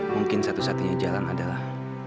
mungkin satu satunya jalan adalah